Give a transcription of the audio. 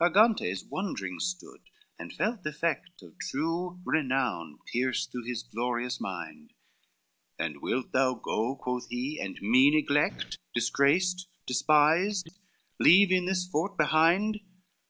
VII Argantes wondering stood, and felt the effect Of true renown pierce through his glorious mind, "And wilt thou go," quoth he, "and me neglect, Disgraced, despised, leave in this fort behind?